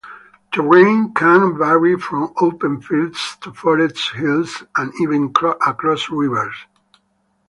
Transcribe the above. Terrain can vary from open fields to forest hills and even across rivers.